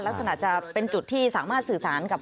ลักษณะจะเป็นจุดที่สามารถสื่อสารกับ